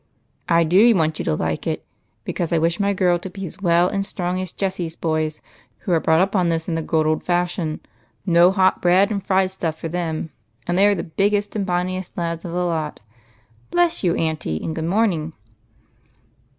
33 " I do want you to like it, because I wish my girl to be as well and strong as Jessie's boys, who are brought up on this in the good old fashion. Ko hot bread and hied stuff for them, and they are the biggest and bon niest lads of the lot. Bless you, auntie, and good morning